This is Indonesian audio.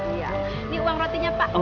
ini uang rotinya pak